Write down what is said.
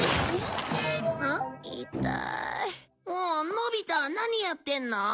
のび太何やってんの？